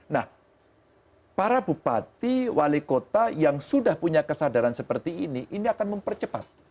nah para bupati wali kota yang sudah punya kesadaran seperti ini ini akan mempercepat